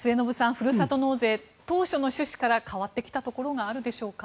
ふるさと納税、当初の趣旨から変わってきたところがあるでしょうか。